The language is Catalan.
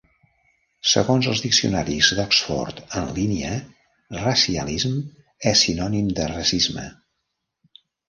Segons els diccionaris d'Oxford en línia, "racialism" és 'sinònim de racisme'.